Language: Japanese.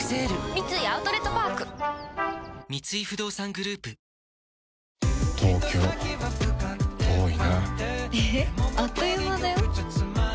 三井アウトレットパーク三井不動産グループよしこい！